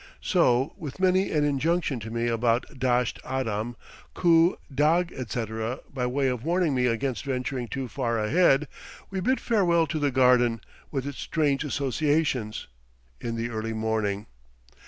So, with many an injunction to me about dasht adam, kooh, dagh, etc., by way of warning me against venturing too far ahead, we bid farewell to the garden, with its strange associations, in the early morning.